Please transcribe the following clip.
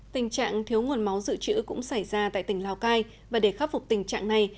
tình trạng thiếu nguồn máu dự trữ cũng xảy ra tại tỉnh lào cai và để khắc phục tình trạng này